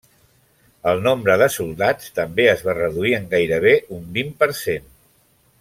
El nombre de soldats també es va reduir en gairebé un vint per cent.